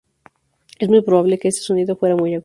Es muy probable que este sonido fuera muy agudo.